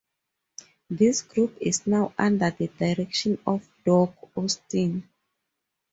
This group is now under the direction of Doug Austin.